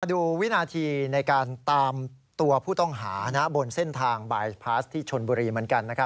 ดูวินาทีในการตามตัวผู้ต้องหาบนเส้นทางบายพาสที่ชนบุรีเหมือนกัน